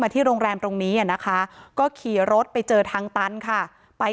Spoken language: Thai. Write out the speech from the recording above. ที่โรงแรมตรงนี้อ่ะนะคะก็ขี่รถไปเจอทางตันค่ะไป